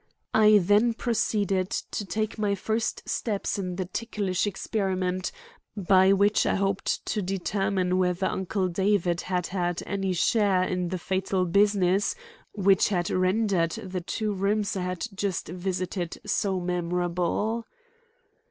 I then proceeded to take my first steps in the ticklish experiment by which I hoped to determine whether Uncle David had had any share in the fatal business which had rendered the two rooms I had just visited so memorable.